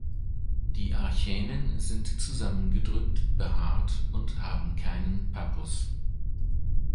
Die Achänen sind zusammengedrückt, behaart und haben keinen Pappus.